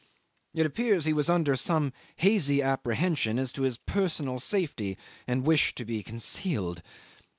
It appears he was under some hazy apprehension as to his personal safety, and wished to be concealed.